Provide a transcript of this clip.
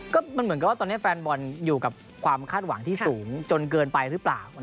ก็มันเหมือนกับว่าตอนนี้แฟนบอลอยู่กับความคาดหวังที่สูงจนเกินไปหรือเปล่า